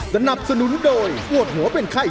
สนับสนุนโดยปวดหัวเป็นไข้